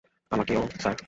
আমাকেও, স্যার।